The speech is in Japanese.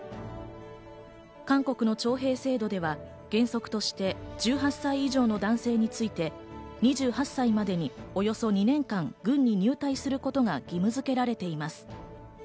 韓国の徴兵制度では、原則として１８歳以上の男性について、２８歳までに、およそ２年間軍に入隊することが義務づけられています。